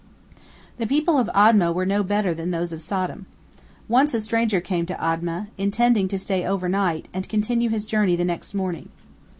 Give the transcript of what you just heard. The people of Admah were no better than those of Sodom. Once a stranger came to Admah, intending to stay overnight and continue his journey the next morning.